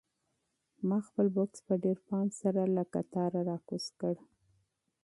ما خپل بکس په ډېر پام سره له کټاره راکوز کړ.